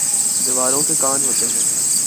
دیواروں کے کان ہوتے ہیں